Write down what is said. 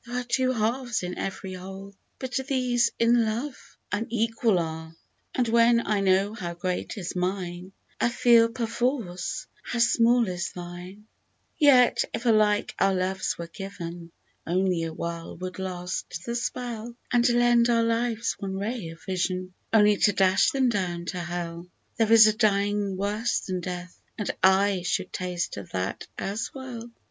There are two halves in ev'ry whole, But these, in Love, unequal are ; And when I know how great is mine, I feel, perforce, how small is thine ! D 2 36 " Speak of the PasC Yet, if alike our loves were given, Only awhile would last the spell, And lend our lives one ray of heaven, Only to dash them down to hell ! There is a dying worse than Death, And / should taste of that as well